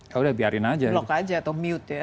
ya udah biarin aja blog aja atau mute ya